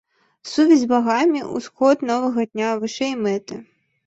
Сувязь з багамі, усход новага дня, вышэй мэты.